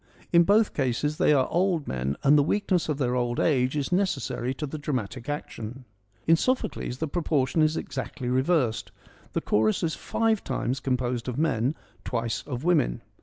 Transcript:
In both cases they are old men, and the weakness of their old age is necessary to the dramatic action. In Sophocles the proportion is exactly reversed. The chorus is five times composed of men, twice of women.